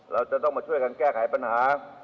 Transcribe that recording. เราจะต้องมาช่วยกันแก้ไขปัญหา